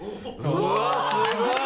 うわっすごい！